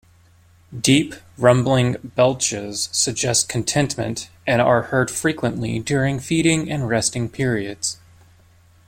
Deep, rumbling belches suggest contentment and are heard frequently during feeding and resting periods.